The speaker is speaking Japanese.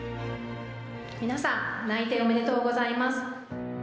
皆さん内定おめでとうございます。